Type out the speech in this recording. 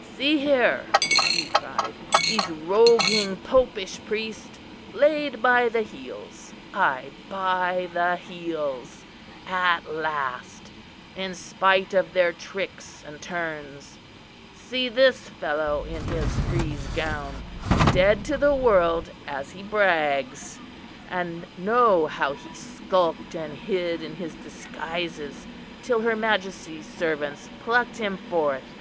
"See here," he cried, "these rogueing popish priests, laid by the heels aye, by the heels at last; in spite of their tricks and turns. See this fellow in his frieze gown, dead to the world as he brags; and know how he skulked and hid in his disguises till her Majesty's servants plucked him forth!